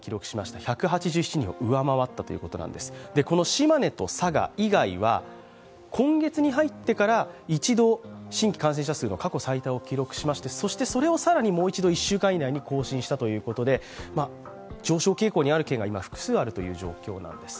島根と佐賀以外は今月に入ってから一度新規感染者数が過去最多を記録しまして、そしてそれをさらにもう一度１週間以内に更新したということで上昇傾向にある県が複数あるという状況なんです。